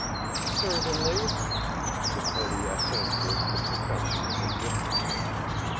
"Certainly." The tardy assent was the perfection of indifference.